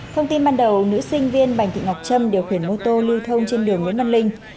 thông tin ban đầu nữ sinh viên bạch thị ngọc trâm điều khiển mô tô lưu thông trên đường nguyễn văn linh